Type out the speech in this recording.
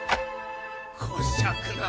こしゃくな！